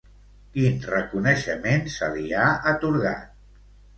Quin reconeixement se li ha atorgat?